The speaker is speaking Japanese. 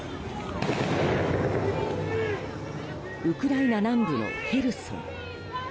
ウクライナ南部のヘルソン。